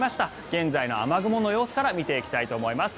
現在の雨雲の様子から見ていきたいと思います。